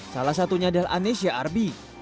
salah satunya adalah anesya arbi